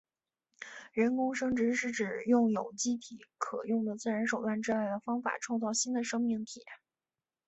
人工生殖是指用有机体可用的自然手段之外的方法创造新的生命体。